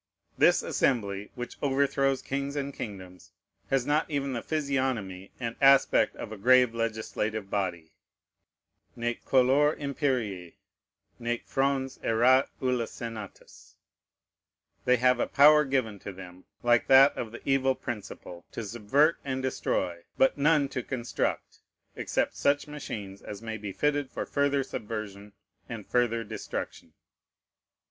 This assembly, which overthrows kings and kingdoms, has not even the physiognomy and aspect of a grave legislative body, nec color imperii, nec frons erat ulla senatûs. They have a power given to them, like that of the Evil Principle, to subvert and destroy, but none to construct, except such machines as may be fitted for further subversion and further destruction.